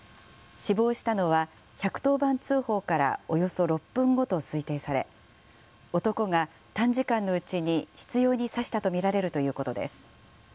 死亡したのは、１１０番通報からおよそ６分後と推定され、男が短時間のうちに執ように刺したと見られるということです。